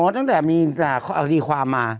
ตั้งแต่มีอักษรีความมา